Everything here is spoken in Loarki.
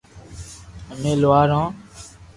امي لوھار ھون